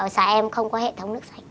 xã em không có hệ thống nước sạch